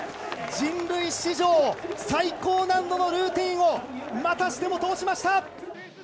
人類史上最高難度のルーティンを、またしても通しました。